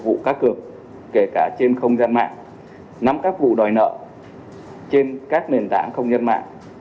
các vụ cá cược kể cả trên không gian mạng nắm các vụ đòi nợ trên các nền tảng không gian mạng